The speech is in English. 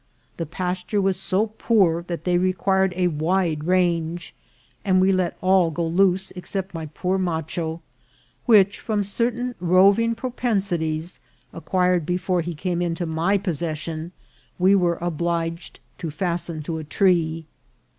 The pasture was so poor that they required a wide range, and we let all go loose except my poor macho, which, from certain roving propensities acquired before he came into my possession, we were obliged to fasten to a tree.